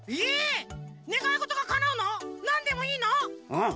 うん。